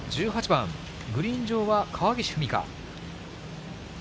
１８番、グリーン上は川岸史果。